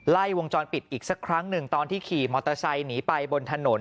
วงจรปิดอีกสักครั้งหนึ่งตอนที่ขี่มอเตอร์ไซค์หนีไปบนถนน